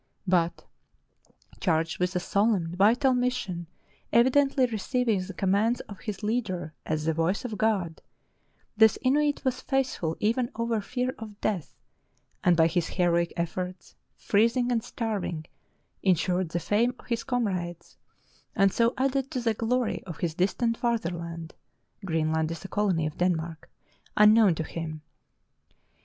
But, charged with a solemn, vital mission, evidently receiving the commands of his leader as the voice of God, this Inuit was faithful even over fear of death, and by his heroic efforts, freezing and starving, insured the fame of his comrades and so added to the glory of his distant fatherland (Greenland is a colony of Den mark), unknown to him.